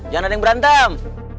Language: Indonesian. jangan ada yang berantem